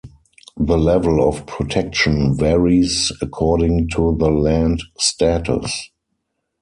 The level of protection varies according to the land status.